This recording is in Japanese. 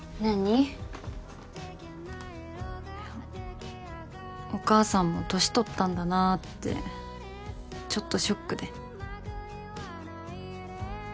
いやお母さんも年取ったんだなってちょっとショックで。